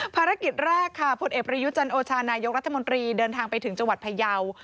ภารกิจแรกค่ะผลเอกประยุจันโอชานายกรัฐมนตรีเดินทางไปถึงจังหวัดพยาว